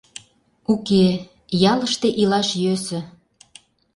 — Уке, ялыште илаш йӧсӧ.